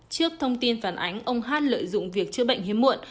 trước thông tin phản ánh ông hát lợi dụng việc chữa bệnh hiếm muộn